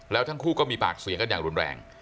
แล้วทั้งคู่ก็มีปากเสียงกันอย่างรุนแรง